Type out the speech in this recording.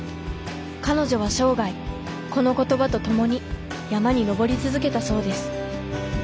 彼女は生涯この言葉と共に山に登り続けたそうです。